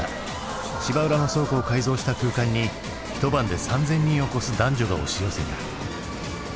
芝浦の倉庫を改造した空間にひと晩で３，０００人を超す男女が押し寄せた。